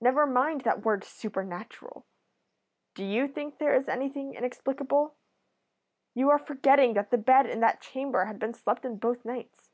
"Never mind that word supernatural. Do you think there is anything inexplicable? You are forgetting that the bed in that chamber had been slept in both nights.